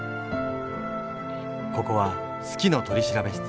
ここは「好きの取調室」。